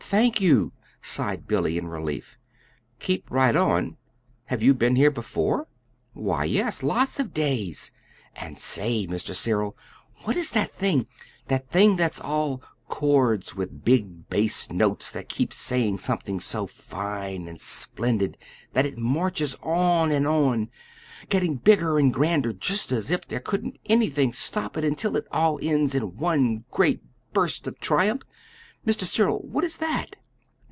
Thank you," sighed Billy, in relief. "Keep right on! Have you been here before?" "Why, yes, lots of days. And, say, Mr. Cyril, what is that that thing that's all chords with big bass notes that keep saying something so fine and splendid that it marches on and on, getting bigger and grander, just as if there couldn't anything stop it, until it all ends in one great burst of triumph? Mr. Cyril, what is that?"